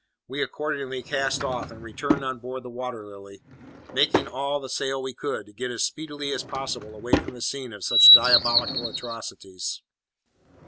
We accordingly cast off, and returned on board the Water Lily, making all the sail we could, to get as speedily as possible away from the scene of such diabolical atrocities.